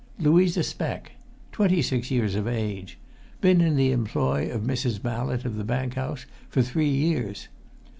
Louisa Speck. Twenty six years of age. Been in the employ of Mrs. Mallett, of the Bank House, for three years.